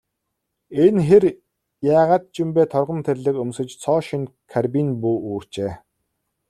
Энэ хэр яагаад ч юм бэ, торгон тэрлэг өмсөж, цоо шинэ карбин буу үүрчээ.